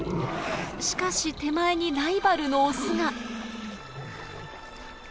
しかし手前にライバルのオスが。